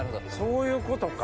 そういうことか。